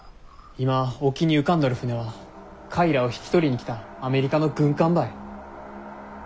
今沖に浮かんどる船はカイらを引き取りに来たアメリカの軍艦ばい。